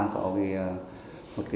có một cái